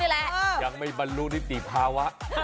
หยังไม่บรรลูรี่ติภาวะ